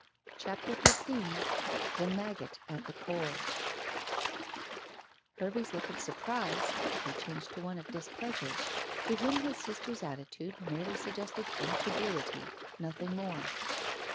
CHAPTER XV THE MAGGOT AT THE CORE Hervey's look of surprise quickly changed to one of displeasure. To him his sister's attitude merely suggested incredulity, nothing more.